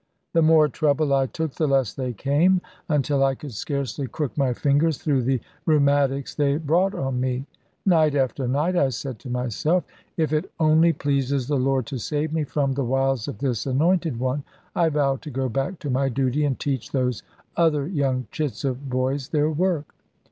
The more trouble I took, the less they came; until I could scarcely crook my fingers through the rheumatics they brought on me. Night after night, I said to myself, "If it only pleases the Lord to save me from the wiles of this anointed one, I vow to go back to my duty, and teach those other young chits of boys their work."